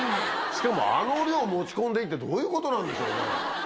しかもあの量持ち込んでいいってどういうことなんでしょうね？